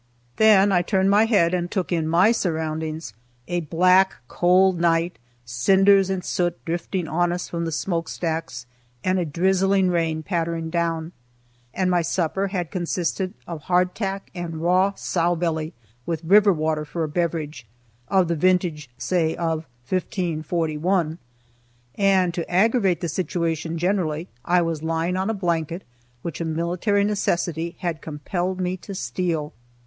Then I turned my head and took in my surroundings! A black, cold night, cinders and soot drifting on us from the smoke stacks, and a drizzling rain pattering down. And my supper had consisted of hardtack and raw sow belly, with river water for a beverage, of the vintage, say, of 1541. And to aggravate the situation generally, I was lying on a blanket which a military necessity had compelled me to steal.